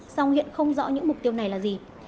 song hiện không rõ những mục tiêu này là gì